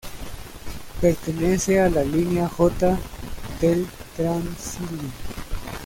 Pertenece a la línea J del Transilien.